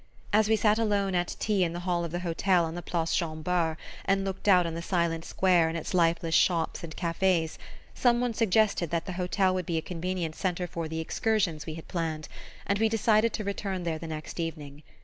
As we sat alone at tea in the hall of the hotel on the Place Jean Bart, and looked out on the silent square and its lifeless shops and cafes, some one suggested that the hotel would be a convenient centre for the excursions we had planned, and we decided to return there the next evening.